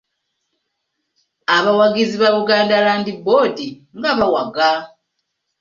Abawagizi ba Buganda Land Board nga bawaga.